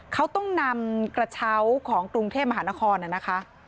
เขาต้องนำกระเช้าของกรุงเทพมหานครนะคะ